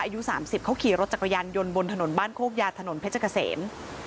อายุ๓๐เขาขี่รถจักรยานยนต์บนถนนบ้านโคกยาถนนเพชรเกษม